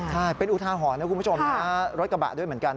ใช่เป็นอุทาหรณ์นะคุณผู้ชมนะรถกระบะด้วยเหมือนกัน